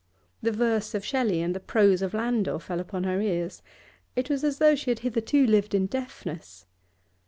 The verse of Shelley and the prose of Landor fell upon her ears; it was as though she had hitherto lived in deafness.